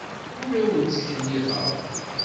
Ur awen-ttkellixeɣ.